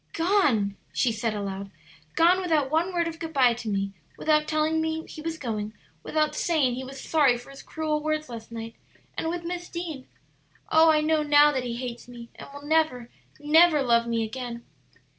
"Gone!" she said aloud; "gone without one word of good by to me, without telling me he was going, without saying he was sorry for his cruel words last night, and with Miss Deane. Oh, I know now that he hates me and will never, never love me again!"